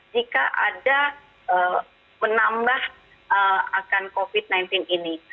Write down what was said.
jika ada menambah akan covid sembilan belas ini